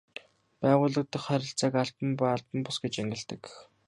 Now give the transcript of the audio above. Байгууллага дахь харилцааг албан ба албан бус гэж ангилдаг.